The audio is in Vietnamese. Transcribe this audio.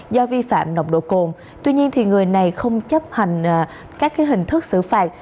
do vi phạm nồng độ cồn tuy nhiên người này không chấp hành các hình thức xử phạt